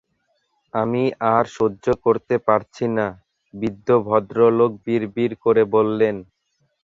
আমি আর সহ্য করতে পারছি না, বৃদ্ধ ভদ্রলোক বিড়বিড় করে বললেন।